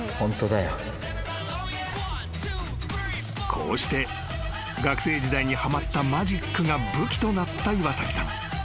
［こうして学生時代にはまったマジックが武器となった岩崎さん］